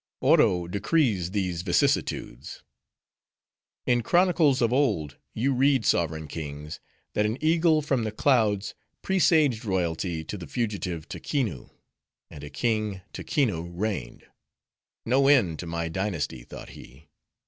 "Oro decrees these vicissitudes. "In chronicles of old, you read, sovereign kings! that an eagle from the clouds presaged royalty to the fugitive Taquinoo; and a king, Taquinoo reigned; No end to my dynasty, thought he.